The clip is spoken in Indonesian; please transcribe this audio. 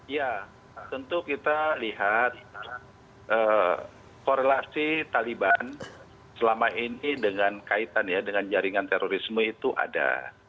ya tentu kita lihat korelasi taliban selama ini dengan kaitan ya dengan jaringan terorisme itu ada